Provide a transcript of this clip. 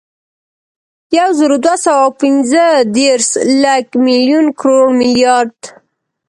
یوزرودوهسوه اوپنځهدېرس، لک، ملیون، کروړ، ملیارد